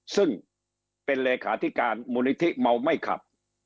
ซึ่งเป็นเลขาธิการมูลนิธิเมาไม่ขับ